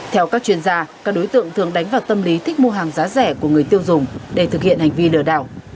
theo các chuyên gia các đối tượng thường đánh vào tâm lý thích mua hàng giá rẻ của người tiêu dùng để thực hiện hành vi lừa đảo